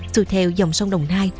dù theo dòng sông đồng nai